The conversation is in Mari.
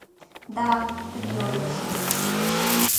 — Да, тыге ойлышым.